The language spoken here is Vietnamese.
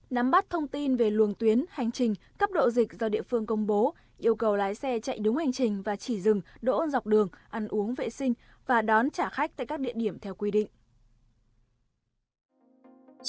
nắm bắt thông tin về luồng tuyến hành trình cấp độ dịch do địa phương công bố yêu cầu lái xe chạy đúng hành trình và chỉ dừng đỗ dọc đường ăn uống vệ sinh và đón trả khách tại các địa điểm theo quy định